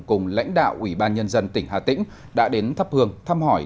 cùng lãnh đạo ủy ban nhân dân tỉnh hà tĩnh đã đến thắp hương thăm hỏi